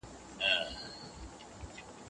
کله چي هغه خپل هيواد پريښود، ډير ستړی و.